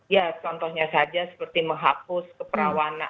ya contohnya saja seperti menghapus keperawanan